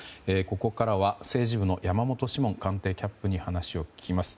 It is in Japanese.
ここからは政治部の山本志門官邸キャップに話を聞きます。